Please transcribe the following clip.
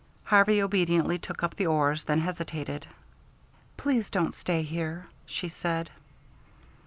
Harvey obediently took up the oars, then hesitated. "Please don't stay here," she said.